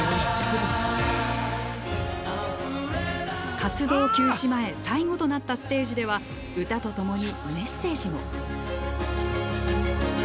活動休止前最後となったステージでは歌と共にメッセージも。